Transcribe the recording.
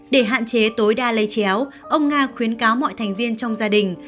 để hạn chế tối đa lây chéo ông nga khuyến cáo mọi thành viên trong gia đình